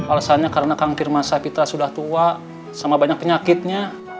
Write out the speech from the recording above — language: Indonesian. alasannya karena kang pirman sahpitra sudah tua sama banyak penyakitnya